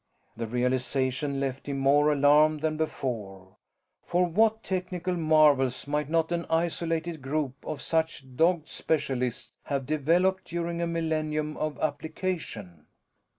The realization left him more alarmed than before for what technical marvels might not an isolated group of such dogged specialists have developed during a millennium of application?